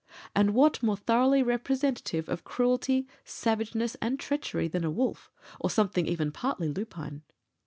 And what more thoroughly representative of cruelty, savageness, and treachery than a wolf, or even something partly lupine!